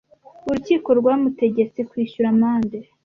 Urukiko rwamutegetse kwishyura amande.